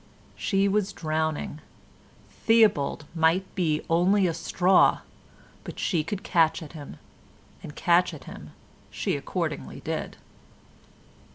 She was drowning; Theobald might be only a straw, but she could catch at him and catch at him she accordingly did.